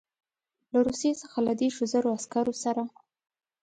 له روسیې څخه له دېرشو زرو عسکرو سره.